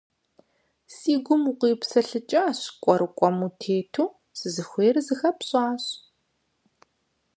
Си гум укъипсэлъыкӀащ кӀуэрыкӀуэм утету, сызыхуейр зыхэпщӀащ.